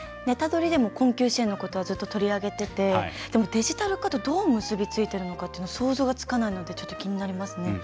「ネタドリ！」でも困窮支援のことはずっと取り上げていて、でもデジタル化とどう結び付いてるのかというのが想像がつかないのでちょっと気になりますね。